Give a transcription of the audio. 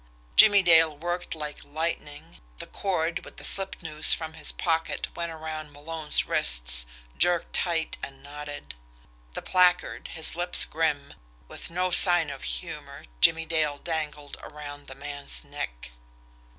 Jimmie Dale worked like lightning. The cord with the slip noose from his pocket went around Malone's wrists, jerked tight, and knotted; the placard, his lips grim, with no sign of humour, Jimmie Dale dangled around the man's neck.